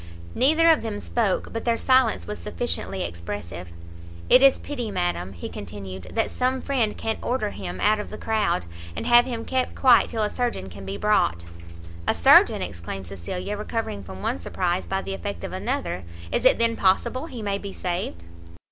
Neither of them spoke, but their silence was sufficiently expressive. "It is pity, madam," he continued, "that some friend can't order him out of the crowd, and have him kept quiet till a surgeon can be brought." "A surgeon!" exclaimed Cecilia, recovering from one surprize by the effect of another; "is it then possible he may be saved?"